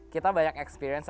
kita banyak experience